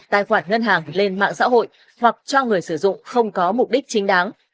tài khoản ngân hàng lên mạng xã hội hoặc cho người sử dụng không có mục đích chính đáng